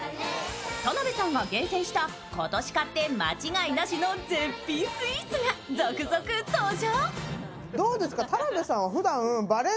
田辺さんが厳選した今年買って間違いなしの絶品スイーツが続々登場。